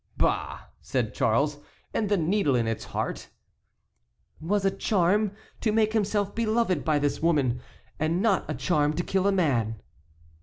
"Bah!" said Charles, "and the needle in its heart?" "Was a charm to make himself beloved by this woman, and not a charm to kill a man."